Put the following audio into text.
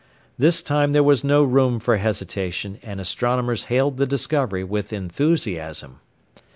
This time there was no room for hesitation, and astronomers hailed the discovery with enthusiasm.